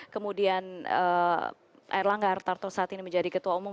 kemudian erlang gartoso saat ini menjadi ketua umum